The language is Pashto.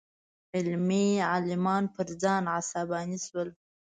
علمي عالمان پر ځای عصباني شول.